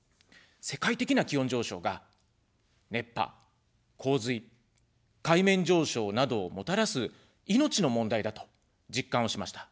世界的な気温上昇が熱波、洪水、海面上昇などをもたらす命の問題だと実感をしました。